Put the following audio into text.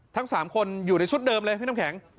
ทั้ง๓คนอยู่ในชุดเดิมเลยพี่น้ำแข็ง